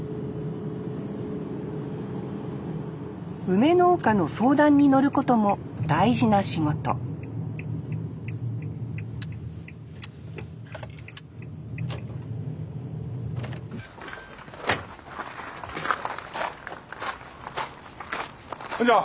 梅農家の相談に乗ることも大事な仕事こんにちは！